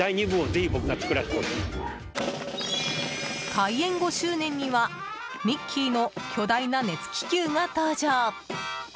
開園５周年にはミッキーの巨大な熱気球が登場。